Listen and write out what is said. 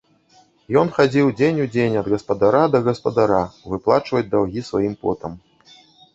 Ён хадзіў дзень у дзень ад гаспадара да гаспадара выплачваць даўгі сваім потам.